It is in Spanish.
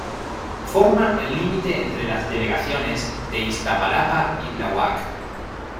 Forma el límite entre las delegaciones de Iztapalapa y Tláhuac.